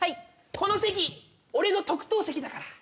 この席俺の特等席だから。